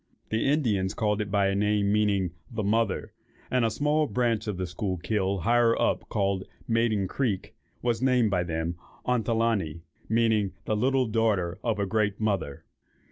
The Indians called it by a name, meaning "The Mother;" and a small branch of the Schuylkill, higher up, called "Maiden Creek," was named by them, Ontelaunee, meaning "the little daughter of a great mother."